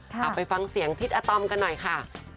เอาไปฟังเสียงทิศอาตอมกันหน่อยค่ะ